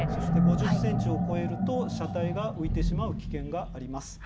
そして５０センチを超えると、車体が浮いてしまう危険があります。